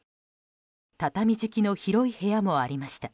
畳敷きの広い部屋もありました。